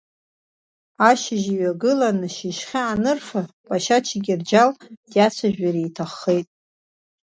Ашьыжь иҩагыланы шьыжьхьа анырфа, Ԥашьа Чақырџьалы диацәажәар иҭаххеит.